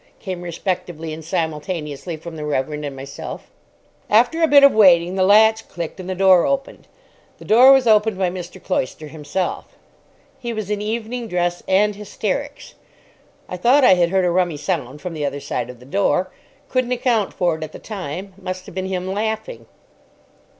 came respectively and simultaneously from the Reverend and myself. After a bit of waiting the latch clicked and the door opened. The door was opened by Mr. Cloyster himself. He was in evening dress and hysterics. I thought I had heard a rummy sound from the other side of the door. Couldn't account for it at the time. Must have been him laughing.